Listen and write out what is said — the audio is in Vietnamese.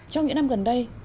trong những năm gần đây